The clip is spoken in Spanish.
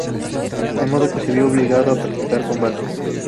De modo que se vio obligado a presentar combate.